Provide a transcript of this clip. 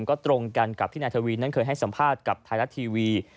ก็ตรงกันกับที่นายทวีนั้นเคยให้สัมภาษณ์กับไทยรัฐทีวี